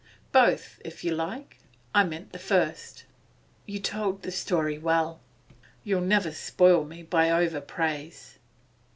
'Both, if you like. I meant the first.' 'You told the story very well.' 'You'll never spoil me by over praise.